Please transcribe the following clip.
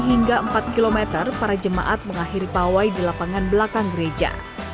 hingga empat km para jemaat mengakhiri pawai di lapangan belakang gereja